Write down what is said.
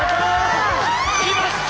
きました！